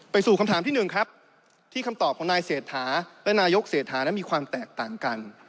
สู่คำถามที่หนึ่งครับที่คำตอบของนายเศรษฐาและนายกเศรษฐานั้นมีความแตกต่างกัน